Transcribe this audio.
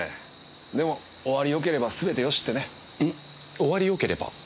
終わりよければ？